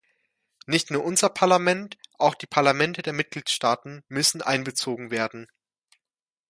Nicht nur unser Parlament, auch die Parlamente der Mitgliedstaaten müssen einbezogen werden.